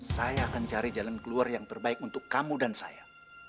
saya akan cari jalan keluar yang terbaik untuk kamu dan saya